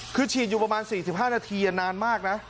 คือฉีดอยู่ประมาณ๔๕นาทีนานมากนะ